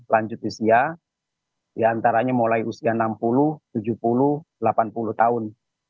lanjut usia diantaranya mulai usia enam puluh tujuh puluh delapan puluh tahun